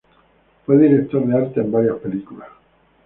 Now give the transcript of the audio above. Fue director de arte en varias películas.